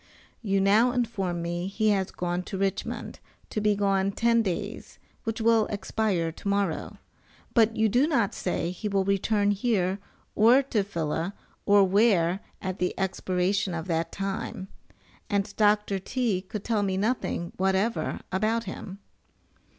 You now inform me he has gone to Richmond, to be gone ten days, which will expire tomorrow, but you do not say he will return here or to Phila, or where, at the expiration of that time, and Dr. T. could tell me nothing whatever about him.